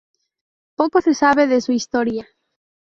Poco se sabe de su historia.